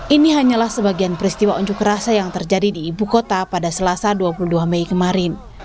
ini hanyalah sebagian peristiwa unjuk rasa yang terjadi di ibu kota pada selasa dua puluh dua mei kemarin